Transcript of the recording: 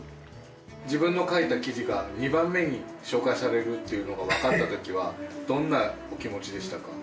自分の書いた記事が２番目に紹介されるっていうのがわかった時はどんなお気持ちでしたか？